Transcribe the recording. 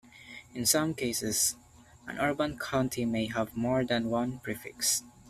In some cases, an urban county may have more than one prefix.